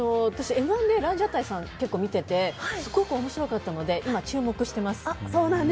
Ｍ−１でランジャタイとか見ていてすごく面白かったので、今、注目しています。